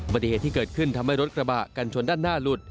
ปฏิเหตุที่เกิดขึ้นทำให้รถกระบะกันชนด้านหน้าหลุด